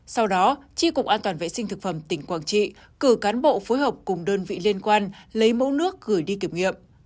sau đó tri cục an toàn vệ sinh thực phẩm tỉnh quảng trị cử cán bộ phối hợp cùng đơn vị liên quan lấy mẫu nước gửi đi kiểm nghiệm